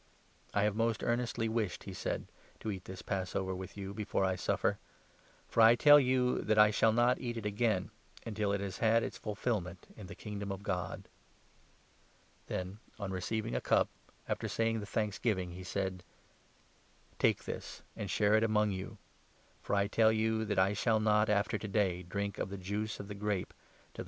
I have most earnestly wished," he said, " to eat this Pass 15 over with you before I suffer. For I tell you that I shall not 16 eat it again, until it has had its fulfilment in the Kingdom of God." Then, on receiving a cup, after saying the thanksgiving, he 17 said :" Take this and share it among you. For I tell you that I 18 shall not, after to day, drink of the juice of the grape, till the